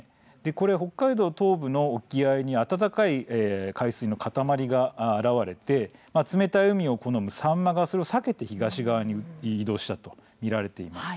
北海道東部の沖合に暖かい海水の塊が現れて冷たい海を好むサンマがそれを避けて東側に移動したとみられています。